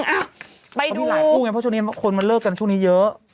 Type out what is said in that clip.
ไปดูหลายคู่ไงเพราะช่วงนี้คนมาเลิกกันช่วงนี้เยอะ